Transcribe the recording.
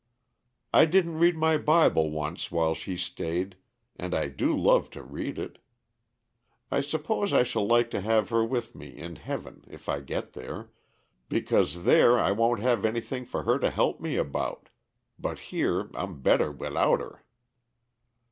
I didn't read my Bible once while she staid, and I do love to read it. I suppose I shall like to have her with me in heaven, if I get there, because there I won't have anything for her to help me about, but here 'I'm better midout' her."